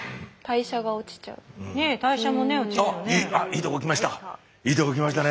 いいとこきましたね。